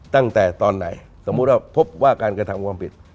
ตั้งแต่ตอนไหนสมมุติว่าพบว่าการกระทำความผิด